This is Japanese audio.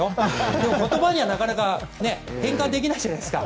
でも、言葉にはなかなか変換できないじゃないですか。